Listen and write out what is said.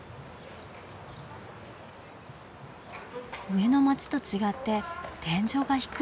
上の街と違って天井が低い。